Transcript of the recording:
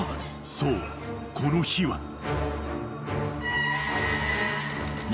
［そうこの日は］